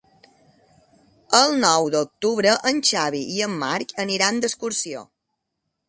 El nou d'octubre en Xavi i en Marc aniran d'excursió.